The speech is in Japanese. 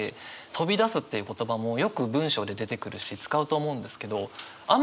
「飛び出す」っていう言葉もよく文章で出てくるし使うと思うんですけどあんまできないじゃないですか。